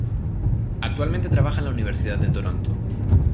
Actualmente trabaja en la Universidad de Toronto.